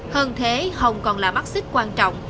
hơn thế hồng còn là mắc xích quan trọng